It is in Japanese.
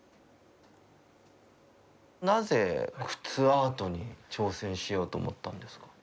なぜ靴アートに挑戦しようと思ったんですか？